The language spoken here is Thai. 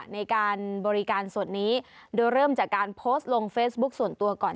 ในการบริการส่วนนี้โดยเริ่มจากการโพสต์ลงเฟซบุ๊คส่วนตัวก่อน